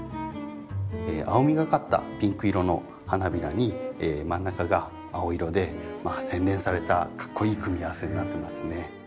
青みがかったピンク色の花びらに真ん中が青色で洗練されたかっこいい組み合わせになってますね。